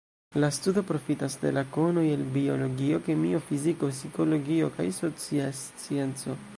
La studo profitas de la konoj el biologio, kemio, fiziko, psikologio kaj socia scienco.